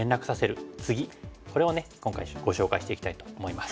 これをね今回ご紹介していきたいと思います。